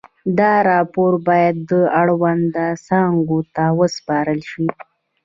دا راپور باید اړونده څانګو ته وسپارل شي.